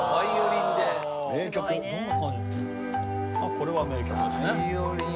これは名曲ですね。